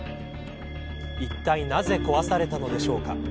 いったいなぜ壊されたのでしょうか。